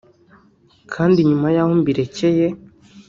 kandi nyuma y’aho mbirekeye